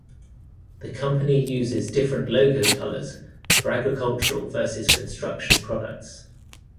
The company uses different logo colors for agricultural versus construction products.